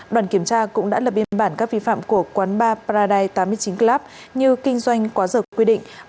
đoàn kiểm tra cũng đã lập biên bản các vi phạm của quán ba paradise tám mươi chín club như kinh doanh quá dở quy định